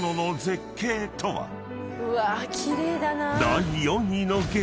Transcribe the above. ［第４位の激